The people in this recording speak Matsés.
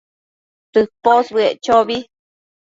tëposbëec chobi